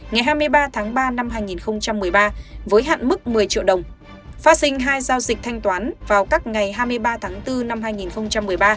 ngày hai mươi ba tháng ba năm hai nghìn một mươi ba với hạn mức một mươi triệu đồng phát sinh hai giao dịch thanh toán vào các ngày hai mươi ba tháng bốn năm hai nghìn một mươi ba